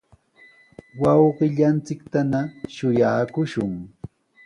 wawqillanchiktana shuyaakushun.